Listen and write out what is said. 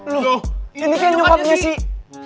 loh ini pihak nyokapnya sih